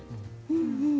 うんうん。